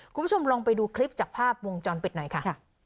คุณผู้ชมลองไปดูคลิปจากภาพวงจรปิดหน่อยค่ะ